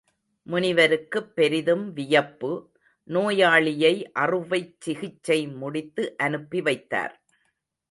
முனிவருக்குப் பெரிதும் வியப்பு—நோயாளியை அறுவைச் சிகிச்சை முடித்து அனுப்பிவைத்தார்.